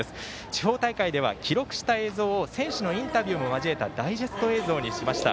地方大会では記録した映像を選手のインタビューも交えたダイジェスト映像にしました。